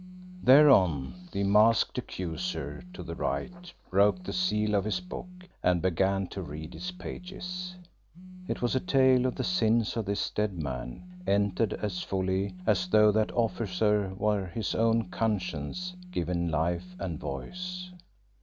Thereon the masked Accuser to the right broke the seal of his book and began to read its pages. It was a tale of the sins of this dead man entered as fully as though that officer were his own conscience given life and voice.